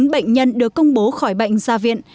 một trăm bốn mươi bốn bệnh nhân được công bố khỏi bệnh ra viện